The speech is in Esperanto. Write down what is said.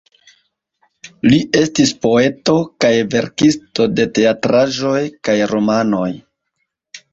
Li estis poeto, kaj verkisto de teatraĵoj kaj romanoj.